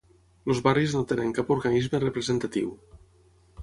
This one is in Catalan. Els barris no tenen cap organisme representatiu.